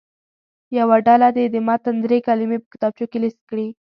یوه ډله دې د متن دري کلمې په کتابچو کې لیست کړي.